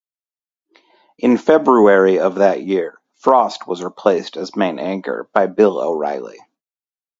In February of that year, Frost was replaced as main anchor by Bill O'Reilly.